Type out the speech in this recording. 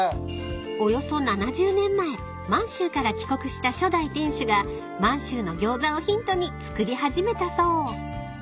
［およそ７０年前満州から帰国した初代店主が満州のギョーザをヒントに作り始めたそう］